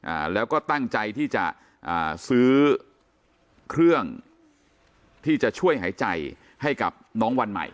อ่าแล้วก็ตั้งใจที่จะอ่าซื้อเครื่องที่จะช่วยหายใจให้กับน้องวันใหม่